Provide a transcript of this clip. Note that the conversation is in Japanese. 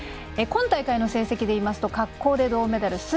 今大会の成績で言いますと滑降で銅メダル。